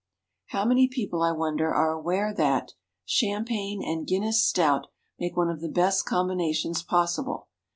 How many people, I wonder, are aware that Champagne and Guinness' Stout make one of the best combinations possible?